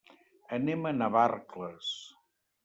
Anem a Navarcles.